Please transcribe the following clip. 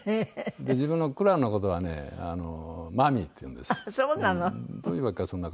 自分の紅蘭の事はね「マミー」って言うんです。